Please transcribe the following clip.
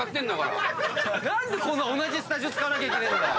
何で同じスタジオ使わなきゃいけねえんだよ！